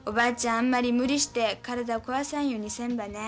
あんまり無理して体を壊さんようにせんばね。